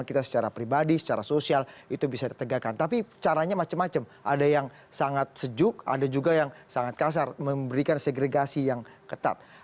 kita akan menegakkan tapi caranya macam macam ada yang sangat sejuk ada juga yang sangat kasar memberikan segregasi yang ketat